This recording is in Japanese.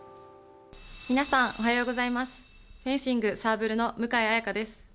皆さん、おはようございますフェンシング・サーブル向江彩伽です。